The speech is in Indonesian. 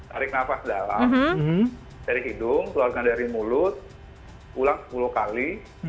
tarik nafas dalam dari hidung keluarkan dari mulut ulang sepuluh kali